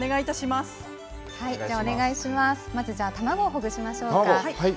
まずは、卵をほぐしましょうか。